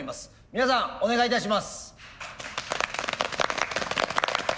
皆さんお願いいたします。